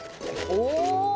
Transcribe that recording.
お！